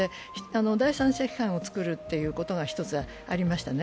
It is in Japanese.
第三者機関をつくるということが一つありましたね。